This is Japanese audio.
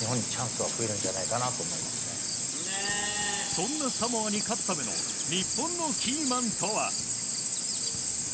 そんなサモアに勝つための日本のキーマンといえば。